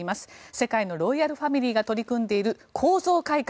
世界のロイヤルファミリーが取り組んでいる構造改革。